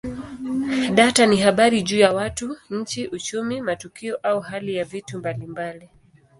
Data ni habari juu ya watu, nchi, uchumi, matukio au hali ya vitu mbalimbali.